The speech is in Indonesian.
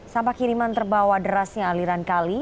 sampah kiriman terbawa derasnya aliran kali